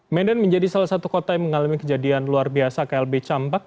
medan menjadi salah satu kota yang mengalami kejadian luar biasa klb campak